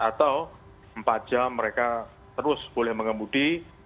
atau empat jam mereka terus boleh mengemudi